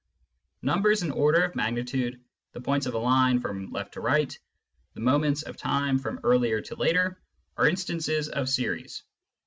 Nmnbers in order of magnitude, the points on a line from left to right, the moments of time from earlier to later, are instances of series.